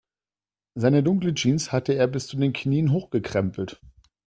Seine dunkle Jeans hatte er bis zu den Knien hochgekrempelt.